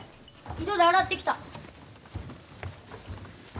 井戸で洗ってきた。